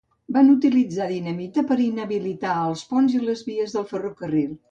Van utilitzar dinamita per inhabilitar els ponts i les vies del ferrocarril.